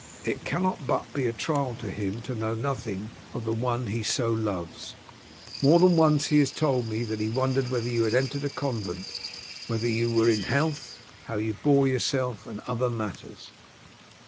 It cannot but be a trial to him to know nothing of one he so loves. More than once he has told me that he wondered whether you had entered a convent, whether you were in health, how you bore yourself, and other matters."